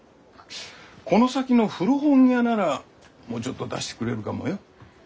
この先の古本屋ならもうちょっと出してくれるかもよ？